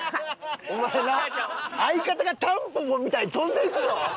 お前な相方がタンポポみたいに飛んでいくぞ！